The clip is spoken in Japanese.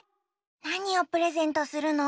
なにをプレゼントするの？